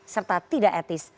serta tidak etis